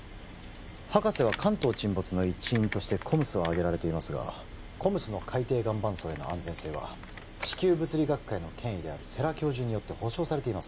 博士は関東沈没の一因としてＣＯＭＳを挙げられていますがＣＯＭＳの海底岩盤層への安全性は地球物理学界の権威である世良教授によって保証されています